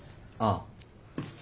ああ。